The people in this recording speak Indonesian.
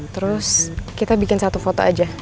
terus kita bikin satu foto aja